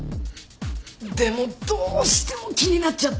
でもどうしても気になっちゃって！